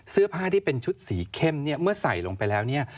เสื้อผ้าที่เป็นชุดสีเข้มเนี่ยเมื่อใส่ลงไปแล้วเนี่ย